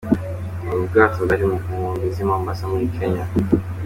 Ubwo bwato bwari ku nkombe z’i Mombasa muri Kenya.